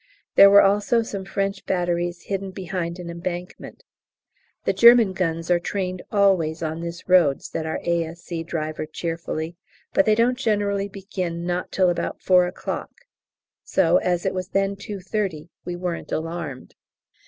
There were also some French batteries hidden behind an embankment. "The German guns are trained always on this road," said our A.S.C. driver cheerfully, "but they don't generally begin not till about 4 o'clock," so, as it was then 2.30, we weren't alarmed.